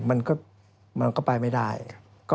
มันก็ไปไม่ได้ครับ